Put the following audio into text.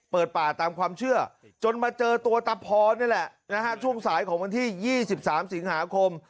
เปิดป่าตามความเชื่อจนมาเจอตัวตะพรนี่แหละช่วงสายของวันที่๒๓สิงหาคม